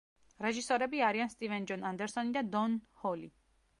რეჟისორები არიან სტივენ ჯონ ანდერსონი და დონ ჰოლი.